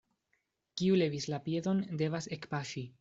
Kiu levis la piedon, devas ekpaŝi.